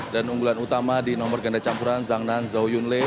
dan unggulan utama di nomor ganda campuran zhang nan zhao yunlei